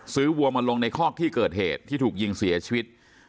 วัวมาลงในคอกที่เกิดเหตุที่ถูกยิงเสียชีวิต